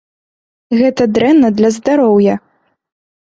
Гэта дрэнна для здароўя.